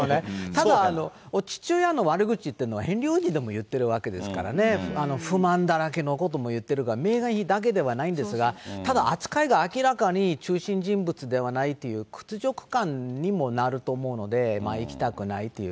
ただ父親の悪口っていうのは、ヘンリー王子でも言ってるわけですからね、不満だらけのことも言ってるからメーガン妃だけではないんですが、ただ扱いが明らかに中心人物ではないという屈辱感にもなると思うので、行きたくないという。